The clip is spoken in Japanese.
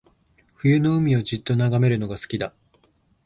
冬の海をじっと眺めるのが好きだ